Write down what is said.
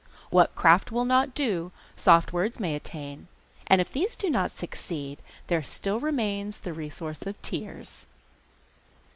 What craft will not do soft words may attain, and if these do not succeed there still remains the resource of tears.